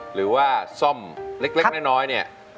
หรือว่าซ่อมเล็กน้อยเนี่ย